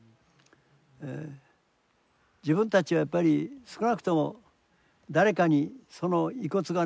自分たちはやっぱり少なくとも誰かにその遺骨がね